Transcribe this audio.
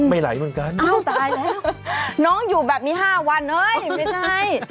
ไหลเหมือนกันอ้าวตายแล้วน้องอยู่แบบนี้๕วันเอ้ยไม่ใช่